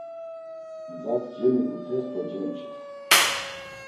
Gzas cemigutes do cemçes.